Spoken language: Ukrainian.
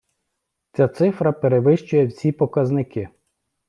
Ця цифра перевищує всі показники.